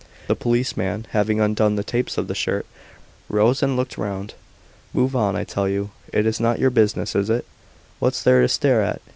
The policeman, having undone the tapes of the shirt, rose and looked round. "Move on, I tell you. It is not your business, is it? What's there to stare at?"